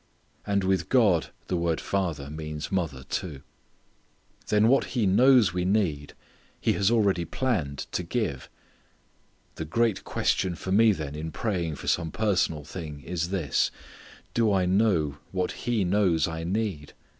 And with God the word father means mother too. Then what He knows we need He has already planned to give. The great question for me then in praying for some personal thing is this: Do I know what He knows I need?